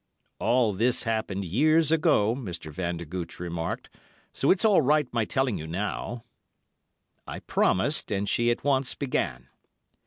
("All this happened years ago," Mr. Vandergooch remarked, "so it's all right my telling you now.") I promised, and she at once began.